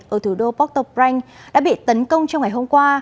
ở thủ đô port au prince đã bị tấn công trong ngày hôm qua